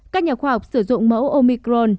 các nhà khoa học sử dụng mẫu omicron